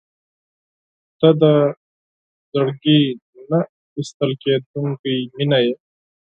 • ته د زړګي نه ایستل کېدونکې مینه یې.